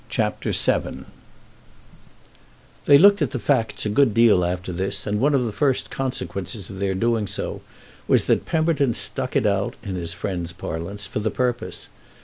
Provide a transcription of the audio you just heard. CHAPTER VII They looked at the facts a good deal after this and one of the first consequences of their doing so was that Pemberton stuck it out, in his friend's parlance, for the purpose.